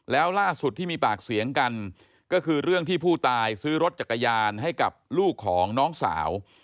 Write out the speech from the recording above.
แล้วล่าสุดที่มีปากเสียงกันก็คือเรื่องที่ผู้ตายซื้อรถจักรยานให้กับลูกของน้องสาว